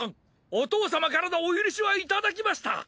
お父様からのお許しはいただきました。